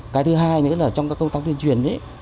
cái thứ hai nữa là trong các công tác tuyên truyền